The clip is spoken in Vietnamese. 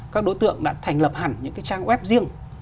các đối tượng đã thành lập hẳn những cái trang web riêng